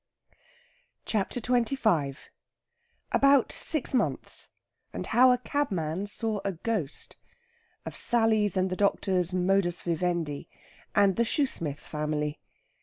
CHAPTER XXV ABOUT SIX MONTHS, AND HOW A CABMAN SAW A GHOST. OF SALLY'S AND THE DOCTOR'S "MODUS VIVENDI," AND THE SHOOSMITH FAMILY.